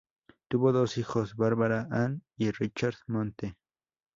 Tuvo dos hijos, Barbara Ann y Richard Monte.